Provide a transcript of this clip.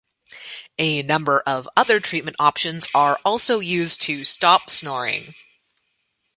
A number of other treatment options are also used to stop snoring.